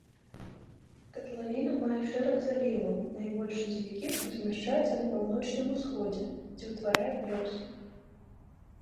Катлавіна мае шэраг заліваў, найбольшы з якіх размяшчаецца на паўночным усходзе, дзе ўтварае плёс.